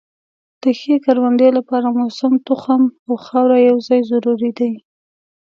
د ښې کروندې لپاره موسم، تخم او خاوره یو ځای ضروري دي.